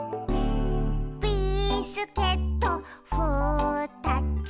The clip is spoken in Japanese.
「ビスケットふたつ」